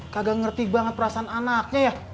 kagak ngerti banget perasaan anaknya ya